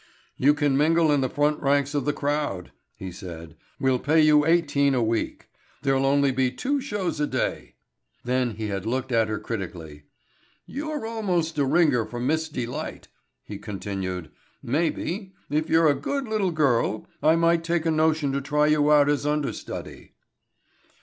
"You can mingle in the front ranks of the crowd," he said. "We'll pay you eighteen a week. There'll only be two shows a day." Then he had looked at her critically. "You're almost a ringer for Miss Delight," he continued. "Maybe, if you're a good little girl I might take a notion to try you out as understudy."